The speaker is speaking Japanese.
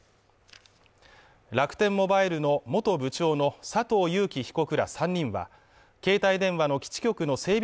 楽天モバイルの元部長の佐藤友紀被告ら３人は携帯電話の基地局の整備